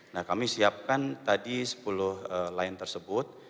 nah kami siapkan tadi sepuluh line tersebut